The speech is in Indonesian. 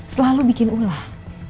selalu bikin ulah